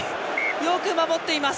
よく守っています。